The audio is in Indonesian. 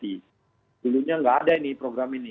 dulunya nggak ada ini program ini